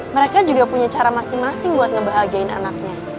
mereka juga punya cara masing masing buat ngebahagiain anaknya